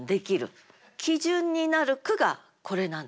基準になる句がこれなんです。